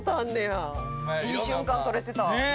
良い瞬間撮れてた。ね！